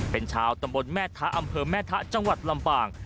เป็นชาวตำบลแม่ทะอำเภอแม่ทะจังหวัดลำปาง